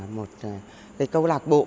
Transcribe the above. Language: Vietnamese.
một cái câu lạc bộ